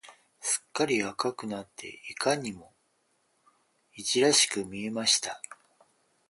すっかり赤くなって、いかにもいじらしく見えました。